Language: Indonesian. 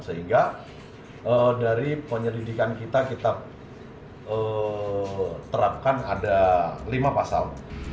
sehingga dari penyelidikan kita kita terapkan ada lima pasal